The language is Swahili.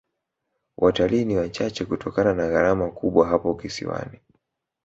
watalii ni wachache kutokana na gharama kubwa hapo kisiwani